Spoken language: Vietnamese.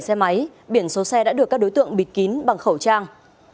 xe máy biển số xe đã được các đối tượng bịt kín bằng khẩu trang